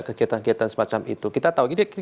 kegiatan kegiatan semacam itu kita tahu ide